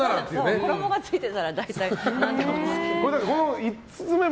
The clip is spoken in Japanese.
衣がついてたら大体何でも。